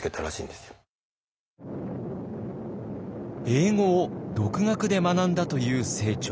英語を独学で学んだという清張。